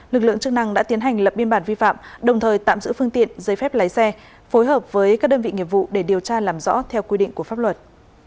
lực lượng chức năng đã tiến hành lập biên bản vi phạm đồng thời tạm giữ phương tiện giấy phép lái xe phối hợp với các đơn vị nghiệp vụ để điều tra làm rõ theo quy định của pháp luật